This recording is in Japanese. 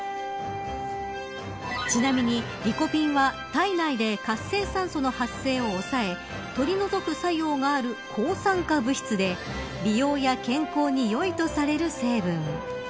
ちなみに、リコピンは体内で活性酸素の発生を抑え取り除く作用がある抗酸化物質で美容や健康によいとされる成分。